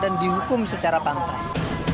dan dihukum secara pangkas